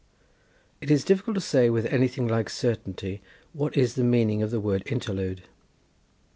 It is difficult to say, with anything like certainty, what is the meaning of the word interlude.